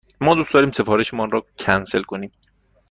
ما دوست داریم سفارش مان را کنسل کنیم.